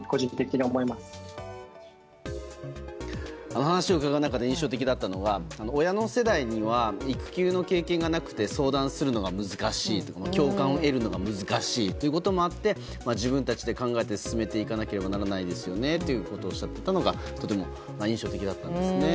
あの話を伺う中で印象的だったのが親の世代には育休の経験がなくて相談するのが難しいとか共感を得るのが難しいということもあって自分たちで考えて進めていかなければならないですよねということをおっしゃっていたのが印象的でした。